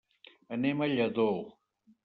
Anem a Lladó.